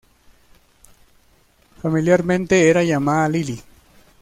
Familiarmente, era llamada "Lili".